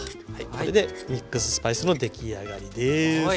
これでミックススパイスの出来上がりです。